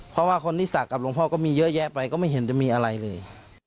เพราะว่าคนที่ศักดิ์กับหลวงพ่อก็มีเยอะแยะไปก็ไม่เห็นจะมีอะไรเลย